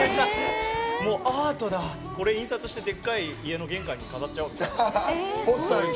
アートだ印刷してでっかくして玄関に飾っちゃおうみたいな。